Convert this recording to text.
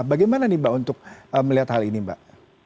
bagaimana nih mbak untuk melihat hal ini mbak